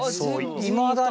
いまだにね